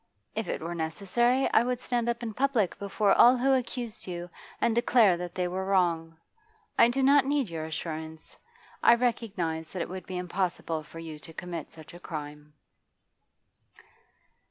If it were necessary, I would stand up in public before all who accused you and declare that they were wrong. I do not need your assurance. I recognise that it would be impossible for you to commit such a crime.